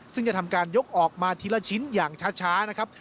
ซึ่งจะทำการยกออกมาทีละชิ้นอย่างช้านะครับ